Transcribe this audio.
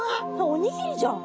おにぎりじゃん！